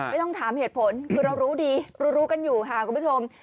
ไม่ต้องถามเหตุผลคือเรารู้ดีรู้กันอยู่ค่ะคุณผู้ชม